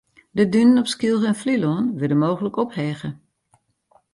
De dunen op Skylge en Flylân wurde mooglik ophege.